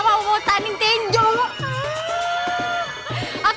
mereka pada jemput julehan